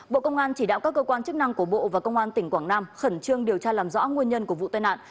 bộ công an chỉ đạo các cơ quan chức năng của bộ và công an tỉnh quảng nam khẩn trương điều tra làm rõ nguyên nhân của vụ tai nạn